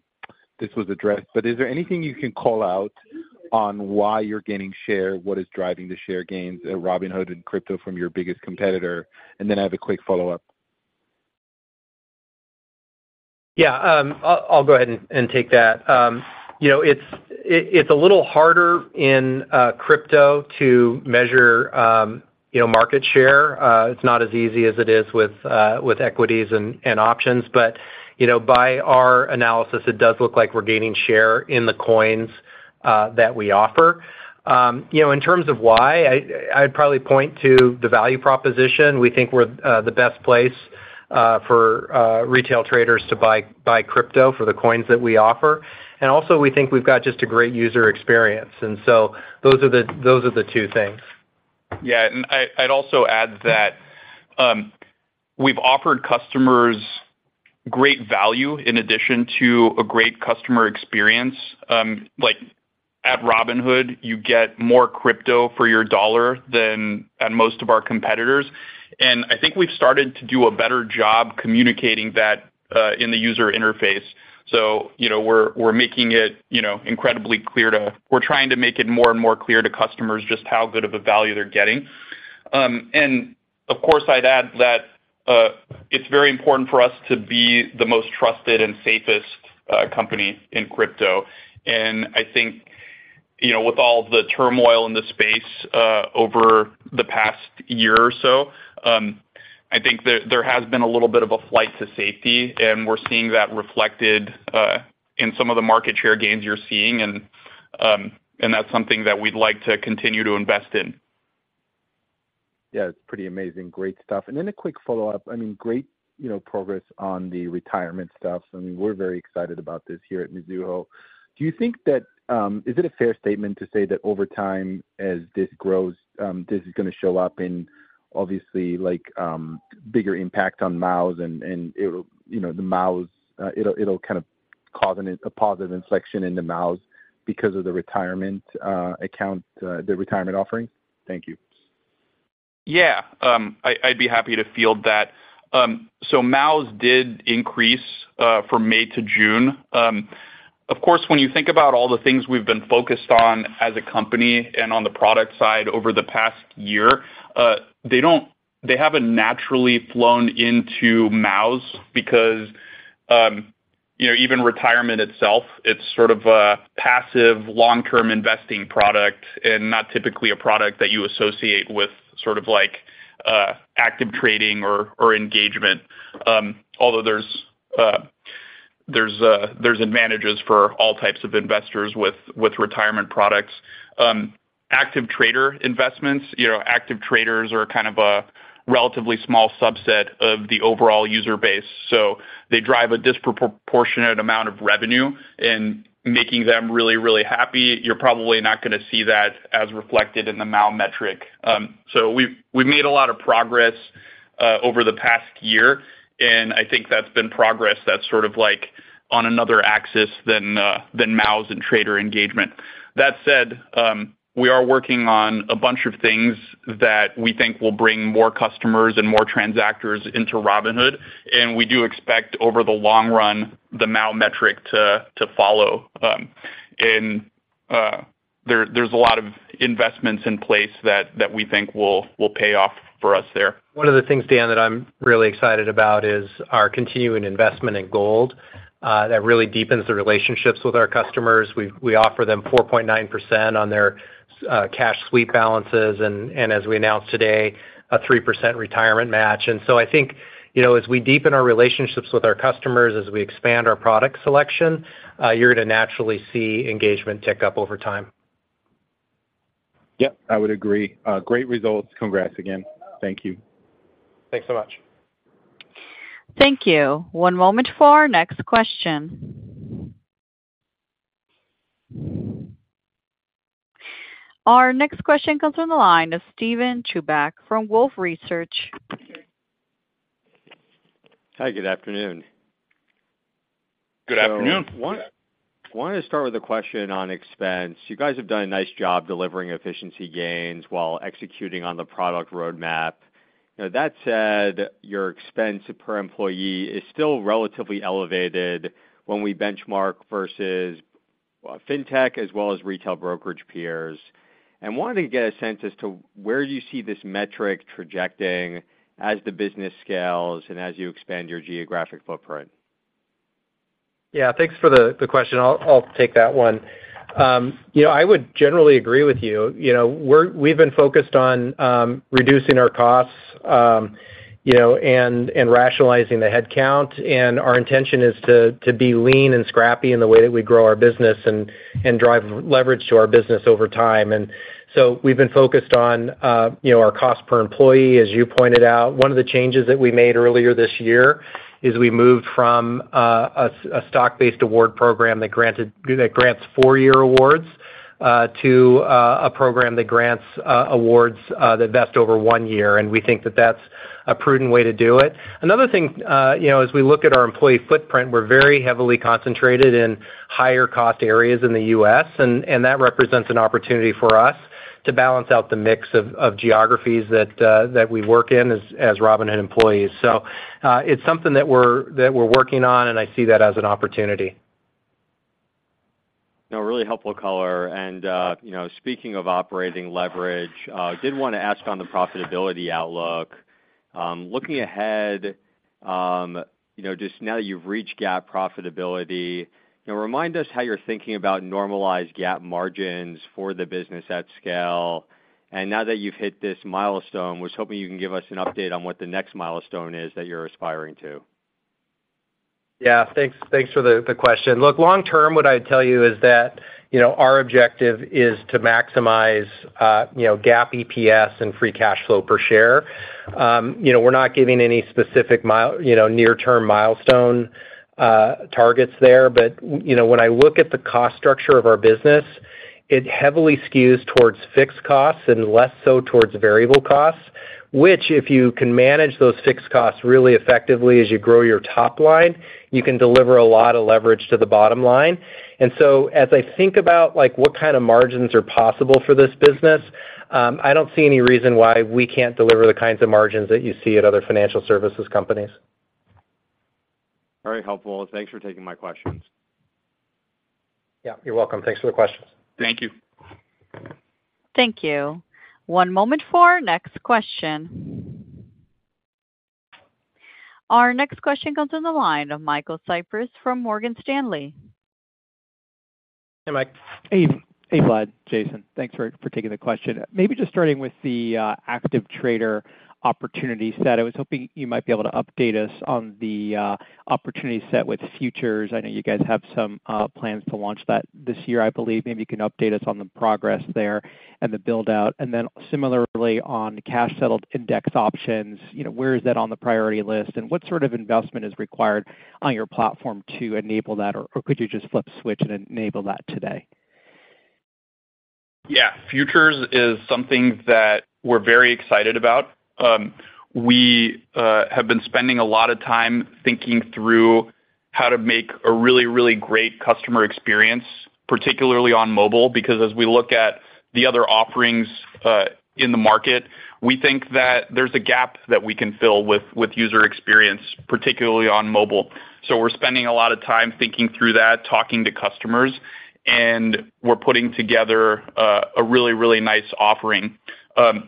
addressed, but is there anything you can call out on why you're gaining share? What is driving the share gains at Robinhood and Crypto from your biggest competitor? Then I have a quick follow-up. Yeah, I'll, I'll go ahead and, and take that. You know, it's, it, it's a little harder in crypto to measure, you know, market share. It's not as easy as it is with with equities and, and options. By our analysis, it does look like we're gaining share in the coins that we offer. You know, in terms of why, I, I'd probably point to the value proposition. We think we're the best place for retail traders to buy, buy crypto for the coins that we offer. Also, we think we've got just a great user experience, and so those are the two things. Yeah, I, I'd also add that we've offered customers great value in addition to a great customer experience. Like, at Robinhood, you get more crypto for your dollar than at most of our competitors. I think we've started to do a better job communicating that in the user interface. You know, we're, we're making it, you know, incredibly clear we're trying to make it more and more clear to customers just how good of a value they're getting. Of course, I'd add that it's very important for us to be the most trusted and safest company in crypto. I think, you know, with all the turmoil in the space, over the past year or so, I think there, there has been a little bit of a flight to safety, and we're seeing that reflected, in some of the market share gains you're seeing. That's something that we'd like to continue to invest in. Yeah, it's pretty amazing. Great stuff. Then a quick follow-up. I mean, great, you know, progress on the retirement stuff. I mean, we're very excited about this here at Mizuho. Do you think that, is it a fair statement to say that over time, as this grows, this is gonna show up in obviously, like, bigger impact on MAUs, and, and, you know, the MAUs, it'll, it'll kind of cause a positive inflection in the MAUs because of the retirement, account, the retirement offering? Thank you. Yeah. I, I'd be happy to field that. MAUs did increase from May to June. Of course, when you think about all the things we've been focused on as a company and on the product side over the past year, they haven't naturally flown into MAUs because, you know, even retirement itself, it's sort of a passive, long-term investing product and not typically a product that you associate with sort of like active trading or engagement. Although there's, there's, there's advantages for all types of investors with, with retirement products. Active trader investments, you know, active traders are kind of a relatively small subset of the overall user base. They drive a disproportionate amount of revenue, and making them really, really happy, you're probably not gonna see that as reflected in the MAU metric. We've, we've made a lot of progress over the past year, and I think that's been progress that's sort of like on another axis than MAUs and trader engagement. That said, we are working on a bunch of things that we think will bring more customers and more transactors into Robinhood, and we do expect, over the long run, the MAU metric to, to follow. There, there's a lot of investments in place that, that we think will, will pay off for us there. One of the things, Dan, that I'm really excited about is our continuing investment in Gold. That really deepens the relationships with our customers. We offer them 4.9% on their cash sweep balances, and as we announced today, a 3% retirement match. So I think, you know, as we deepen our relationships with our customers, as we expand our product selection, you're gonna naturally see engagement tick up over time. Yep, I would agree. Great results. Congrats again. Thank you. Thanks so much. Thank you. One moment for our next question. Our next question comes on the line of Steven Chubak from Wolfe Research. Hi, good afternoon. Good afternoon. I wanted to start with a question on expense. You guys have done a nice job delivering efficiency gains while executing on the product roadmap. You know, that said, your expense per employee is still relatively elevated when we benchmark versus fintech as well as retail brokerage peers. I wanted to get a sense as to where you see this metric trajecting as the business scales and as you expand your geographic footprint. Yeah, thanks for the question. I'll take that one. You know, I would generally agree with you. You know, we've been focused on reducing our costs, you know, and rationalizing the head count. Our intention is to be lean and scrappy in the way that we grow our business and drive leverage to our business over time. We've been focused on, you know, our cost per employee. As you pointed out, one of the changes that we made earlier this year is we moved from a stock-based award program that grants four-year awards to a program that grants awards that vest over one year, and we think that that's a prudent way to do it. Another thing, you know, as we look at our employee footprint, we're very heavily concentrated in higher cost areas in the U.S., and that represents an opportunity for us. To balance out the mix of geographies that we work in as, as Robinhood employees. It's something that we're working on, and I see that as an opportunity. No, really helpful color. You know, speaking of operating leverage, did wanna ask on the profitability outlook, looking ahead, you know, just now that you've reached GAAP profitability, you know, remind us how you're thinking about normalized GAAP margins for the business at scale. Now that you've hit this milestone, was hoping you can give us an update on what the next milestone is that you're aspiring to? Yeah, thanks. Thanks for the, the question. Look, long term, what I'd tell you is that, you know, our objective is to maximize, you know, GAAP, EPS, and free cash flow per share. You know, we're not giving any specific, you know, near-term milestone targets there, but, you know, when I look at the cost structure of our business, it heavily skews towards fixed costs and less so towards variable costs, which, if you can manage those fixed costs really effectively as you grow your top line, you can deliver a lot of leverage to the bottom line. So as I think about, like, what kind of margins are possible for this business, I don't see any reason why we can't deliver the kinds of margins that you see at other financial services companies. Very helpful. Thanks for taking my questions. Yeah, you're welcome. Thanks for the questions. Thank you. Thank you. One moment for our next question. Our next question comes in the line of Michael Cyprys from Morgan Stanley. Hey, Mike. Hey. Hey, Vlad, Jason. Thanks for, for taking the question. Maybe just starting with the active trader opportunity set, I was hoping you might be able to update us on the opportunity set with futures. I know you guys have some plans to launch that this year. I believe maybe you can update us on the progress there and the build-out. Then similarly, on cash-settled index options, you know, where is that on the priority list, and what sort of investment is required on your platform to enable that? Or, or could you just flip a switch and enable that today? Yeah, Futures is something that we're very excited about. We have been spending a lot of time thinking through how to make a really, really great customer experience, particularly on mobile, because as we look at the other offerings in the market, we think that there's a gap that we can fill with user experience, particularly on mobile. We're spending a lot of time thinking through that, talking to customers, and we're putting together a really, really nice offering.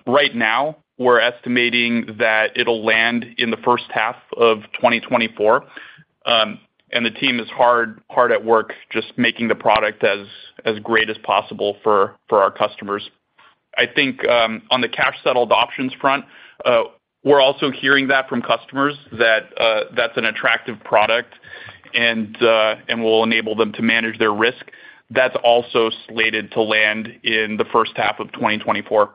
Right now, we're estimating that it'll land in the first half of 2024, and the team is hard, hard at work, just making the product as great as possible for our customers. I think, on the cash-settled options front, we're also hearing that from customers that, that's an attractive product, and, and will enable them to manage their risk. That's also slated to land in the first half of 2024.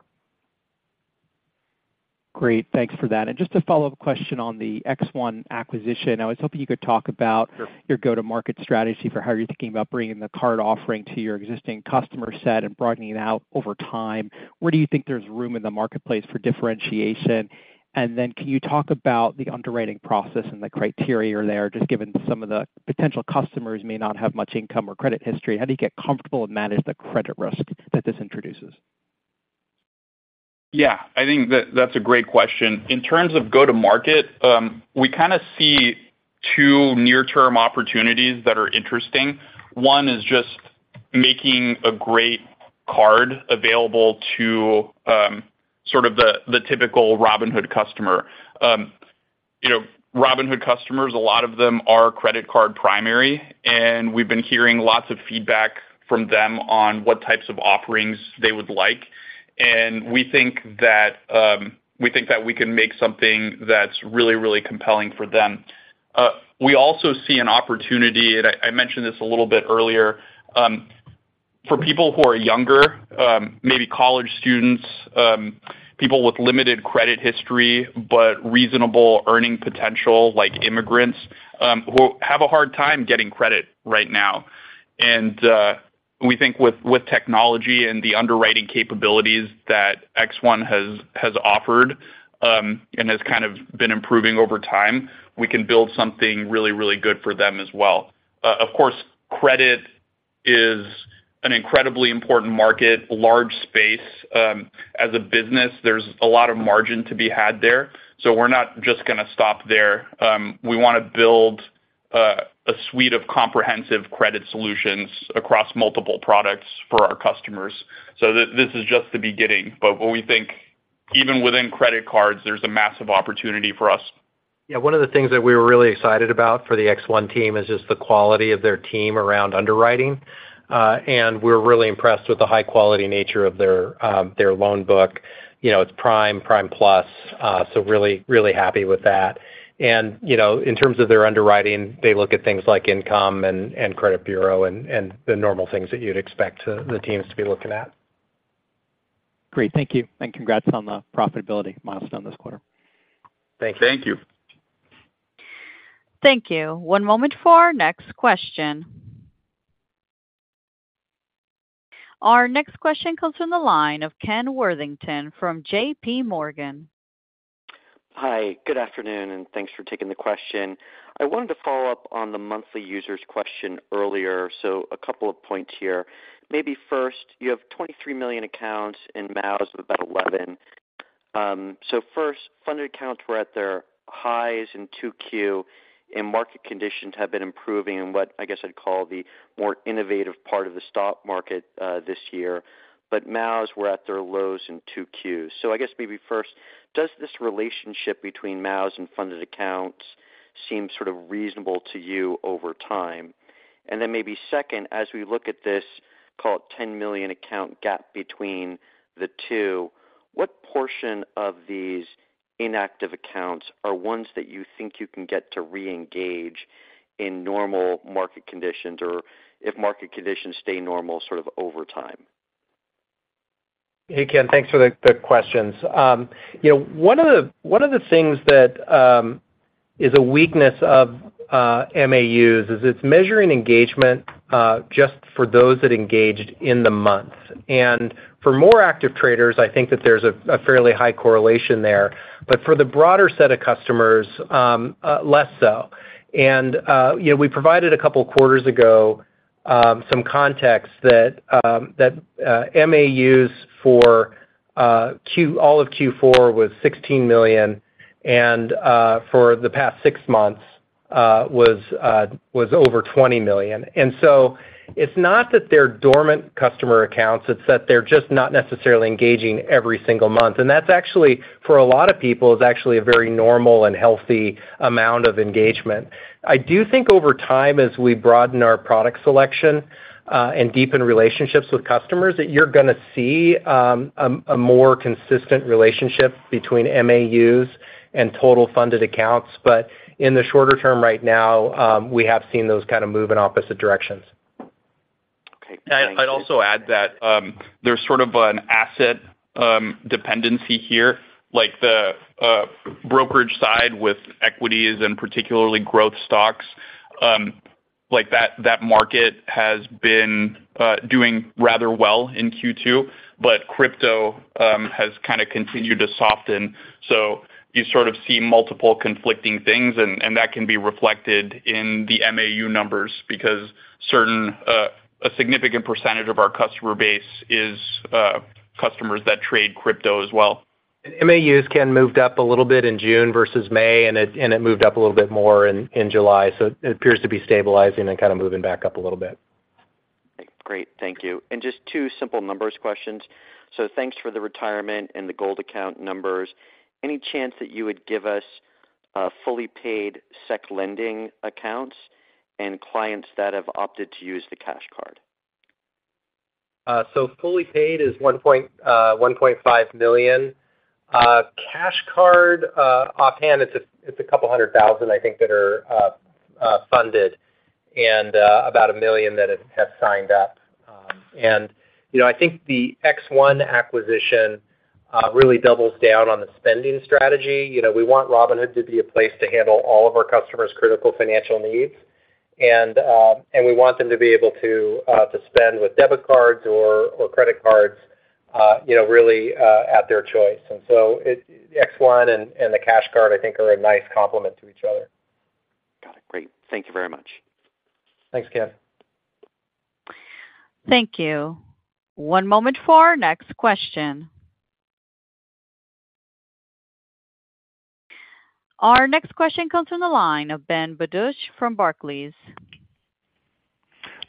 Great. Thanks for that. Just a follow-up question on the X1 acquisition. I was hoping you could talk about your go-to-market strategy for how you're thinking about bringing the card offering to your existing customer set and broadening it out over time. Where do you think there's room in the marketplace for differentiation? Then, can you talk about the underwriting process and the criteria there, just given some of the potential customers may not have much income or credit history, how do you get comfortable and manage the credit risk that this introduces? Yeah, I think that that's a great question. In terms of go to market, we kinda see two near-term opportunities that are interesting. One is just making a great card available to sort of the, the typical Robinhood customer. You know, Robinhood customers, a lot of them are credit card primary, and we've been hearing lots of feedback from them on what types of offerings they would like. We think that we think that we can make something that's really, really compelling for them. We also see an opportunity, and I, I mentioned this a little bit earlier, for people who are younger, maybe college students, people with limited credit history, but reasonable earning potential, like immigrants, who have a hard time getting credit right now. We think with, with technology and the underwriting capabilities that X1 has, has offered, and has kind of been improving over time, we can build something really, really good for them as well. Of course, credit is an incredibly important market, large space. As a business, there's a lot of margin to be had there, so we're not just gonna stop there. We wanna build a suite of comprehensive credit solutions across multiple products for our customers. This is just the beginning, but we think even within credit cards, there's a massive opportunity for us. Yeah, one of the things that we were really excited about for the X1 team is just the quality of their team around underwriting. We're really impressed with the high-quality nature of their, their loan book. You know, it's prime, prime plus, so really, really happy with that. In terms of their underwriting, they look at things like income and, and credit bureau and, and the normal things that you'd expect the, the teams to be looking at. Great. Thank you, and congrats on the profitability milestone this quarter. Thank you. Thank you. One moment for our next question. Our next question comes from the line of Ken Worthington from JPMorgan. Hi, good afternoon, and thanks for taking the question. I wanted to follow up on the monthly users question earlier. A couple of points here. Maybe first, you have 23 million accounts, and MAUs of about 11. First, funded accounts were at their highs in 2Q, and market conditions have been improving in what I guess I'd call the more innovative part of the stock market, this year. MAUs were at their lows in 2Q. I guess maybe first, does this relationship between MAUs and funded accounts seem sort of reasonable to you over time? Then maybe second, as we look at this, call it 10 million account gap between the two, what portion of these inactive accounts are ones that you think you can get to reengage in normal market conditions or if market conditions stay normal, sort of over time? Hey, Ken, thanks for the, the questions. you know, one of the, one of the things that, is a weakness of, MAUs is it's measuring engagement, just for those that engaged in the month. For more active traders, I think that there's a, a fairly high correlation there, but for the broader set of customers, less so. you know, we provided a couple of quarters ago, some context that, that, MAUs for, all of Q4 was 16 million, and, for the past six months, was, was over 20 million. So it's not that they're dormant customer accounts, it's that they're just not necessarily engaging every single month. That's actually, for a lot of people, is actually a very normal and healthy amount of engagement. I do think over time, as we broaden our product selection, and deepen relationships with customers, that you're gonna see, a more consistent relationship between MAUs and total funded accounts. In the shorter term right now, we have seen those kind of move in opposite directions. Okay, thank you. I'd also add that there's sort of an asset dependency here, like the brokerage side with equities and particularly growth stocks. Like, that, that market has been doing rather well in Q2, but crypto has kind of continued to soften. You sort of see multiple conflicting things, and, and that can be reflected in the MAU numbers, because certain, a significant percentage of our customer base is customers that trade crypto as well. MAUs, Ken, moved up a little bit in June versus May, and it, and it moved up a little bit more in, in July, so it appears to be stabilizing and kind of moving back up a little bit. Great, thank you. Just two simple numbers questions. Thanks for the Retirement and the Gold account numbers. Any chance that you would give us fully paid securities lending accounts and clients that have opted to use the Cash Card? Fully paid is 1.5 million. Cash Card, offhand, it's a, it's a couple of hundred thousands. I think, that are, funded and, about 1 million that have, have signed up. You know, I think the X1 acquisition, really doubles down on the spending strategy. You know, we want Robinhood to be a place to handle all of our customers' critical financial needs, and, and we want them to be able to, to spend with debit cards or, or credit cards, you know, really, at their choice. So it X1 and, and the Cash Card I think are a nice complement to each other. Got it. Great. Thank you very much. Thanks, Ken. Thank you. One moment for our next question. Our next question comes from the line of Ben Budish from Barclays.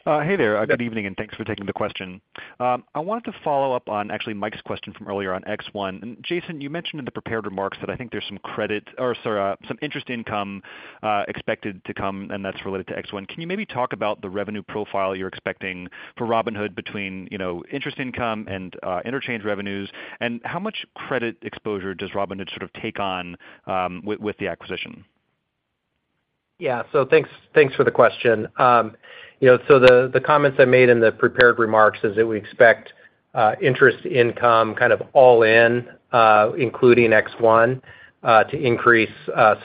Hey there. Good evening, and thanks for taking the question. I wanted to follow up on actually Mike's question from earlier on X1. Jason, you mentioned in the prepared remarks that I think there's some credit, or sorry, some interest income expected to come, and that's related to X1. Can you maybe talk about the revenue profile you're expecting for Robinhood between, you know, interest income and interchange revenues? How much credit exposure does Robinhood sort of take on with the acquisition? Yeah. Thanks, thanks for the question. You know, the comments I made in the prepared remarks is that we expect interest income kind of all in, including X1, to increase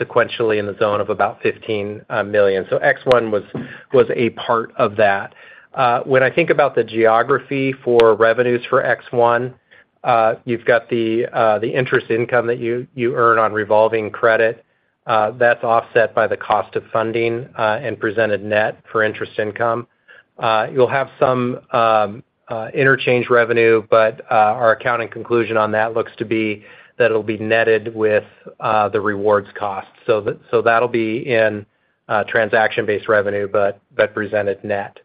sequentially in the zone of about $15 million. X1 was, was a part of that. When I think about the geography for revenues for X1, you've got the interest income that you, you earn on revolving credit, that's offset by the cost of funding, and presented net for interest income. You'll have some interchange revenue, our accounting conclusion on that looks to be that it'll be netted with the rewards costs. That'll be in transaction-based revenue, presented net.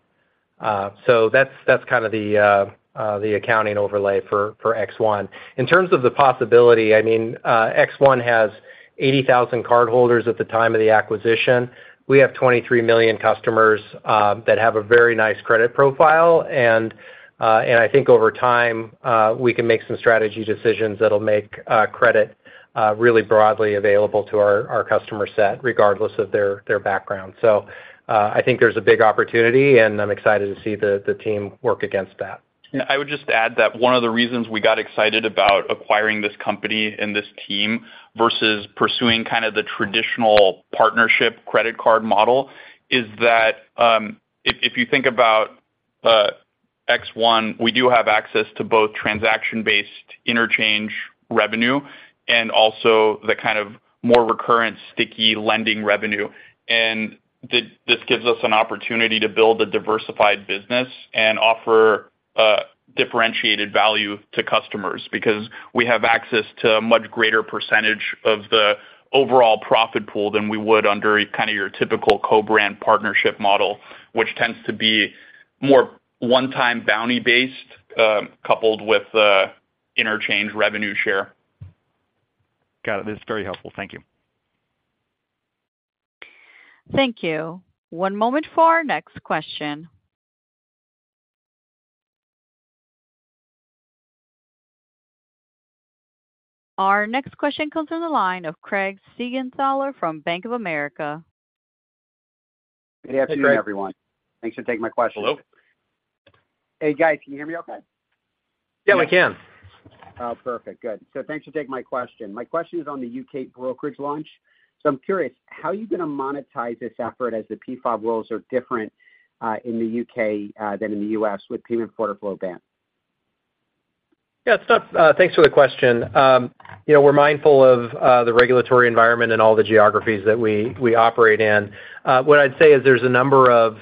That's, that's kind of the, the accounting overlay for, for X1. In terms of the possibility, I mean, X1 has 80,000 cardholders at the time of the acquisition. We have 23 million customers that have a very nice credit profile, and, and I think over time, we can make some strategy decisions that'll make credit really broadly available to our, our customer set, regardless of their, their background. I think there's a big opportunity, and I'm excited to see the, the team work against that. Yeah, I would just add that one of the reasons we got excited about acquiring this company and this team versus pursuing kind of the traditional partnership credit card model, is that, if, if you think about X1, we do have access to both transaction-based interchange revenue and also the kind of more recurrent sticky lending revenue. This gives us an opportunity to build a diversified business and offer differentiated value to customers because we have access to a much greater percentage of the overall profit pool than we would under a kind of your typical co-brand partnership model, which tends to be more one-time bounty-based, coupled with interchange revenue share. Got it. That's very helpful. Thank you. Thank you. One moment for our next question. Our next question comes from the line of Craig Siegenthaler from Bank of America. Good afternoon, everyone. Thanks for taking my question. Hello. Hey, guys, can you hear me okay? Yeah, we can. Thanks for taking my question. My question is on the U.K. brokerage launch. I'm curious, how are you going to monetize this effort as the PFOF rules are different in the U.K. than in the U.S. with payment for order flow ban? Yeah, it's tough. Thanks for the question. You know, we're mindful of the regulatory environment in all the geographies that we, we operate in. What I'd say is there's a number of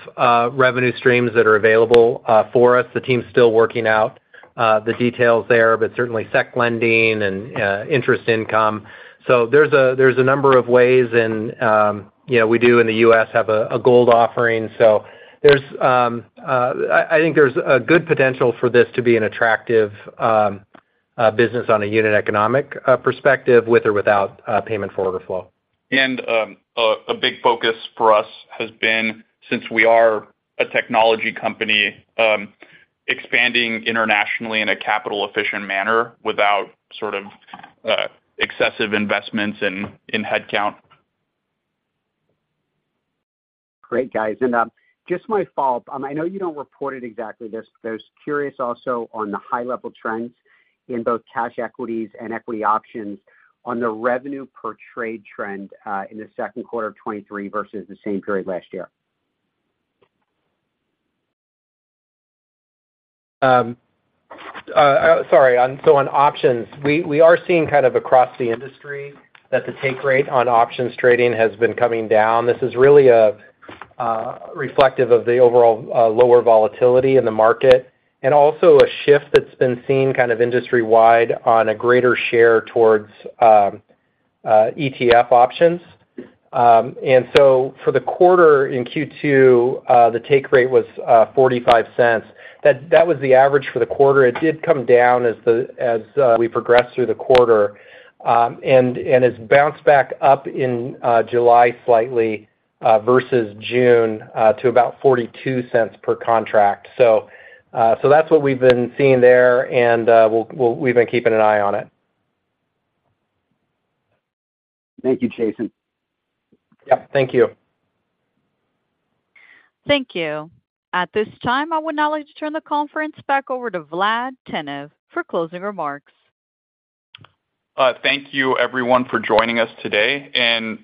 revenue streams that are available for us. The team is still working out the details there, but certainly, securities lending and interest income. There's a, there's a number of ways and, you know, we do in the U.S. have a Gold offering. There's I, I think there's a good potential for this to be an attractive business on a unit economic perspective, with or without payment for order flow. A big focus for us has been, since we are a technology company, expanding internationally in a capital efficient manner without sort of, excessive investments in, in headcount. Great, guys. Just my follow-up. I know you don't report it exactly this, but I was curious also on the high-level trends in both cash equities and equity options on the revenue per trade trend, in the second quarter of 2023 versus the same period last year. Sorry. On options, we, we are seeing kind of across the industry that the take rate on options trading has been coming down. This is really reflective of the overall lower volatility in the market, and also a shift that's been seen kind of industry-wide on a greater share towards ETF options. For the quarter in Q2, the take rate was $0.45. That, that was the average for the quarter. It did come down as the, as we progressed through the quarter, and, and it's bounced back up in July slightly versus June to about $0.42 per contract. That's what we've been seeing there, and we'll, we've been keeping an eye on it. Thank you, Jason. Yep, thank you. Thank you. At this time, I would now like to turn the conference back over to Vlad Tenev for closing remarks. Thank you, everyone, for joining us today, and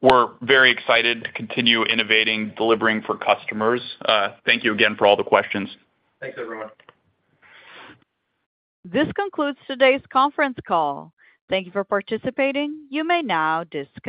we're very excited to continue innovating, delivering for customers. Thank you again for all the questions. Thanks, everyone. This concludes today's conference call. Thank you for participating. You may now disconnect.